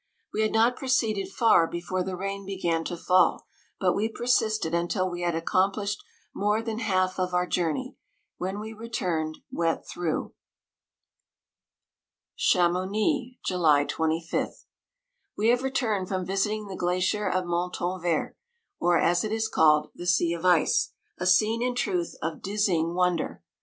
We had not proceeded far before the rain began to fall, but we persisted un til we had accomplished more than half of our journey, when we returned, wet through. 164 Chamouni, July 25th. We have returned from visiting the glacier of Montanvert, or as it is called, the Sea of Ice, a scene in truth of diz zying wonder.